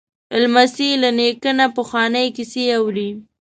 لمسی له نیکه نه پخوانۍ کیسې اوري.